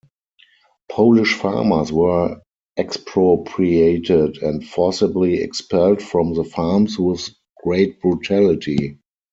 Polish farmers were expropriated and forcibly expelled from the farms with great brutality.